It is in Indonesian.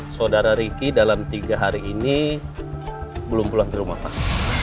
saudara riki dalam tiga hari ini belum pulang ke rumah pak